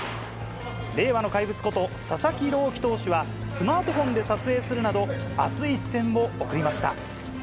令和の怪物こと、佐々木朗希投手は、スマートフォンで撮影するなど、熱い視線を送りました。